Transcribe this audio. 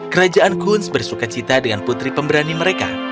kerajaan kuns bersuka cita dengan putri pemberani mereka